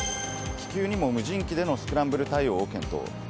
気球にも無人機でのスクランブル対応を検討。